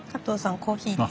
コーヒーです。